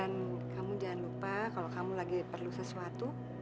dan kamu jangan lupa kalau kamu lagi perlu sesuatu